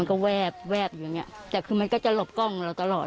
ก็แวบอยู่อย่างเงี้ยแต่คือมันก็จะหลบกล้องเราตลอด